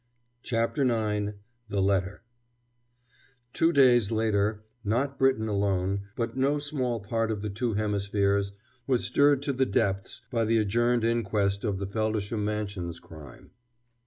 CHAPTER IX THE LETTER Two days later, not Britain alone, but no small part of the two hemispheres, was stirred to the depths by the adjourned inquest on the Feldisham Mansions crime.